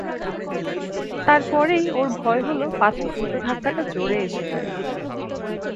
তার পরেই ওর ভয় হল পাছে উলটো ধাক্কাটা জোরে এসে লাগে।